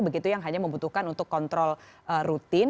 begitu yang hanya membutuhkan untuk kontrol rutin